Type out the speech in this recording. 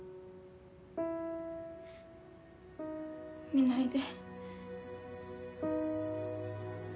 見ないで。